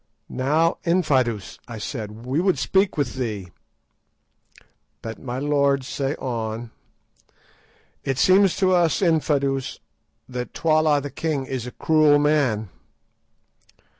"Now, Infadoos," I said, "we would speak with thee." "Let my lords say on." "It seems to us, Infadoos, that Twala the king is a cruel man."